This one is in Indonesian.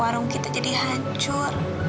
warung kita jadi hancur